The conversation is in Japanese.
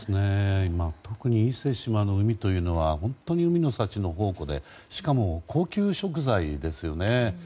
特に伊勢志摩の海というのは本当に海の幸の宝庫でしかも高級食材ですよね。